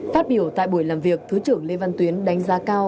phát biểu tại buổi làm việc thứ trưởng lê văn tuyến đánh giá cao